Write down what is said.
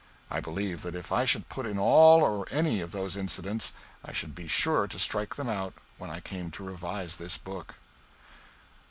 I believe that if I should put in all or any of those incidents I should be sure to strike them out when I came to revise this book.